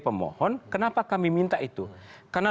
pemohon kenapa kami minta itu karena